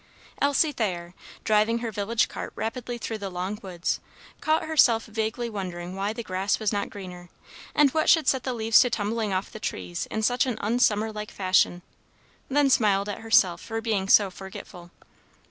Elsie Thayer, driving her village cart rapidly through the "Long Woods," caught herself vaguely wondering why the grass was not greener, and what should set the leaves to tumbling off the trees in such an unsummer like fashion, then smiled at herself for being so forgetful.